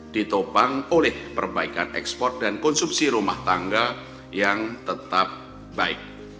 ditopang oleh perbaikan ekspor dan konsumsi rumah tangga yang tetap baik